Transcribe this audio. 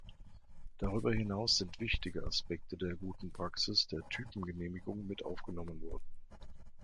Darüber hinaus sind wichtige Aspekte der guten Praxis der Typengenehmigung mit aufgenommen worden.